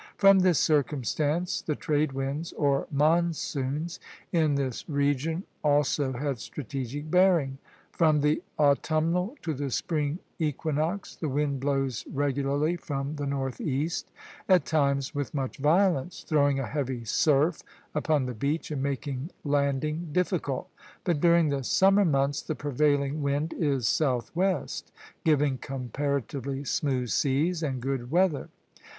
From this circumstance the trade winds, or monsoons, in this region also had strategic bearing. From the autumnal to the spring equinox the wind blows regularly from the northeast, at times with much violence, throwing a heavy surf upon the beach and making landing difficult; but during the summer months the prevailing wind is southwest, giving comparatively smooth seas and good weather.